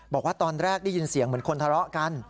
บอกว่าตอนแรกได้ยินเสียงเหมือนคนทะเลาะกัน